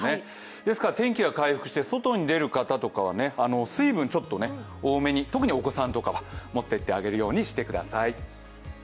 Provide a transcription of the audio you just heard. ですから天気が回復して外に出る方とかは水分ちょっと多めに、特にお子さんとかは持っていってあげるようにしてください。